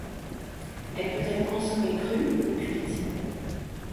Elle peut être consommée crue ou cuite.